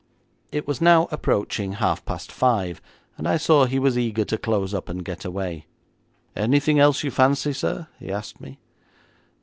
It was now approaching half past five, and I saw he was eager to close up and get away. 'Anything else you fancy, sir?' he asked me.